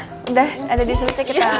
udah ada di setnya kita langsung aja kali itu